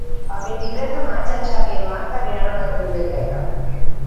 El vint-i-tres de maig en Xavi i en Marc aniran a la biblioteca.